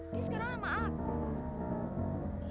dia sekarang sama aku